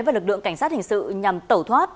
và lực lượng cảnh sát hình sự nhằm tẩu thoát